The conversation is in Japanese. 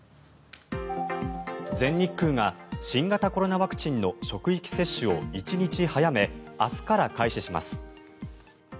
全日空が新型コロナワクチンの職域接種を１日早め、明日から開始します。